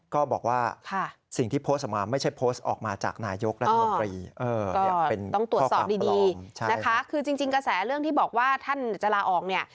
ก็บอกว่าสิ่งที่โพสต์ออกมาไม่ใช่โพสต์ออกมาจากนายกรัฐมนตรี